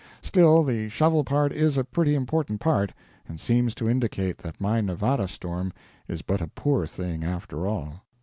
Still the shovel part is a pretty important part, and seems to indicate that my Nevada storm is but a poor thing, after all.